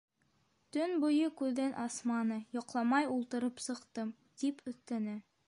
— Төн буйы күҙен асманы, йоҡламай ултырып сыҡтым, — тип өҫтәне.